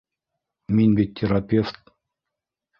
Мин бит терапевт.